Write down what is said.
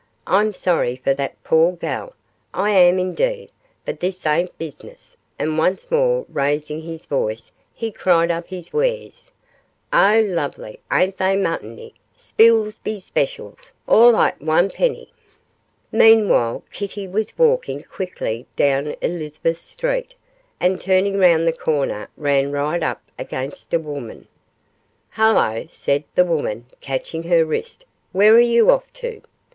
'I'm sorry for that poor gal I am indeed but this ain't business,' and once more raising his voice he cried up his wares, 'Oh, lovely; ain't they muttony? Spilsby's specials, all 'ot; one penny.' Meanwhile Kitty was walking quickly down Elizabeth Street, and turning round the corner ran right up against a woman. 'Hullo!' said the woman, catching her wrist, 'where are you off to?